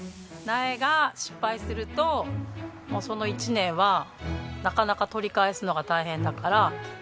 苗が失敗するともうその一年はなかなか取り返すのが大変だから。